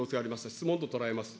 質問と捉えます。